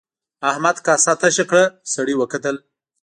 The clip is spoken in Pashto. احمد کاسه تشه کړه سړي وکتل.